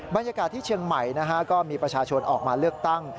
บรรยากาศที่เชียงใหม่นะฮะก็มีประชาชนออกมาเลือกตั้ง